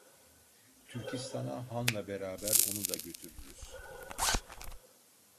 Türkistan'a Han'la beraber onu da götürürüz.